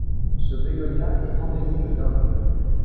Ce bégonia est endémique d'Inde.